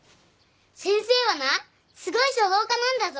先生はなすごい書道家なんだぞ。